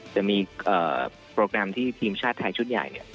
จะมีโปรแกรมที่ทีมชาติไทยชุดใหญ่เนี่ย